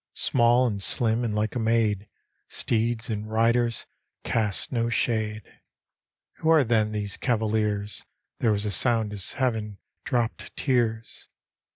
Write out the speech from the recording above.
Small and slim and like a maid — Steeds and riders cast no shade. Who arc then these cavaliers? There was a sound as Heaven dropt tears.